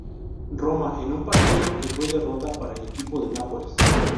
Roma en un partido que fue derrota para el equipo de Nápoles.